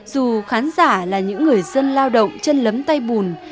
dù khán giả là những người dân lao động chân lấm tay bùn